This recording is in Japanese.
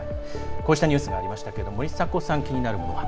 こうしたニュースがありましたが森迫さん気になるものは？